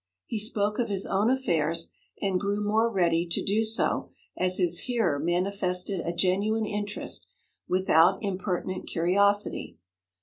He spoke of his own affairs, and grew more ready to do so as his hearer manifested a genuine interest, without impertinent curiosity.